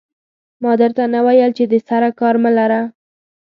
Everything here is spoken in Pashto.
ما در ته نه ویل چې دې سره کار مه لره.